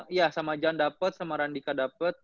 iya sama jan dapet sama randika dapet